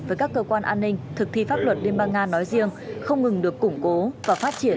với các cơ quan an ninh thực thi pháp luật liên bang nga nói riêng không ngừng được củng cố và phát triển